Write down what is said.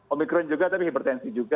omikron juga tapi hipertensi juga